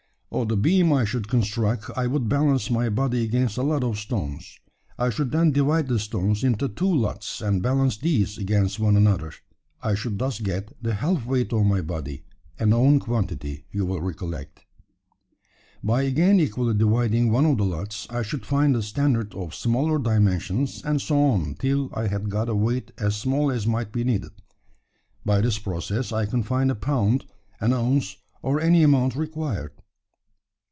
"On the beam I should construct I would balance my body against a lot of stones. I should then divide the stones into two lots, and balance these against one another. I should thus get the half weight of my body a known quantity, you will recollect. By again equally dividing one of the lots I should find a standard of smaller dimensions; and so on, till I had got a weight as small as might be needed. By this process I can find a pound, an ounce, or any amount required."